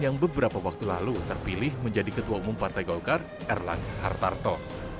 yang beberapa waktu lalu terpilih menjadi ketua umum partai golkar erlangga hartarto